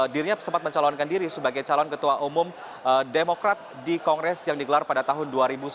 dirinya sempat mencalonkan diri sebagai calon ketua umum demokrat di kongres yang digelar pada tahun dua ribu sembilan belas